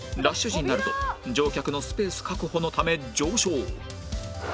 ラッシュ時になると乗客のスペース確保のため上昇